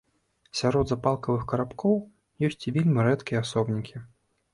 Сярод запалкавых карабкоў ёсць і вельмі рэдкія асобнікі.